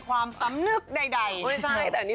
แค่ผี